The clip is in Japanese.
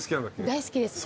大好きです。